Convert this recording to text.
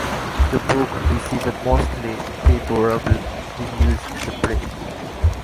The book received mostly favourable reviews in the press.